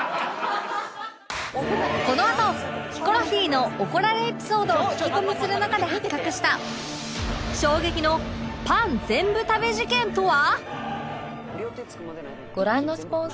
このあとヒコロヒーの怒られエピソードを聞き込みする中で発覚した衝撃のパン全部食べ事件とは？